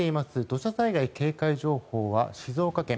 土砂災害警戒情報は静岡県。